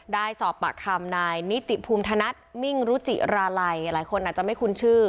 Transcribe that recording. ได้สอบปากคำนายนิติภูมิธนัดมิ่งรุจิราลัยหลายคนอาจจะไม่คุ้นชื่อ